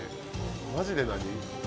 マジで何？